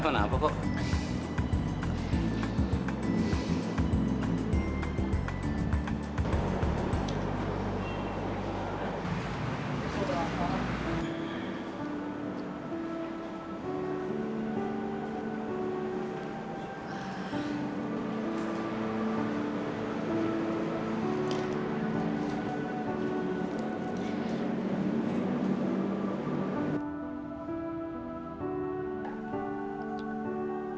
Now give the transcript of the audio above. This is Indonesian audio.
ada encourages gak sih